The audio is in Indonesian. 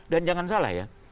dan jangan salah ya